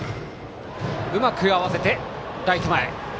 うまく合わせてライト前。